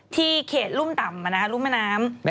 ที่เขตรุ่มต่ำมานะฮะรุ่มแม่น้ำ